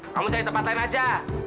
kamu cari tempat lain aja